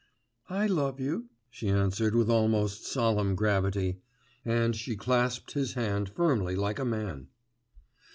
'I love you,' she answered with almost solemn gravity, and she clasped his hand firmly like a man.